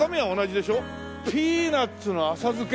ピーナツの浅漬け。